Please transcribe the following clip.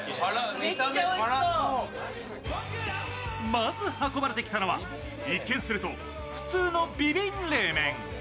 まず運ばれてきたのは、一見すると普通のビビン冷麺。